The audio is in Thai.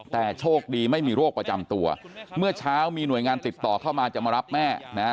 แต่โชคดีไม่มีโรคประจำตัวเมื่อเช้ามีหน่วยงานติดต่อเข้ามาจะมารับแม่นะฮะ